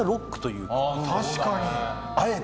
確かに。